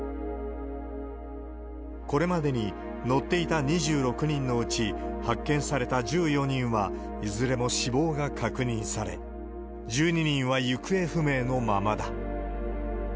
これまでに、乗っていた２６人のうち、発見された１４人はいずれも死亡が確認され、１２人は行方不明のままだ。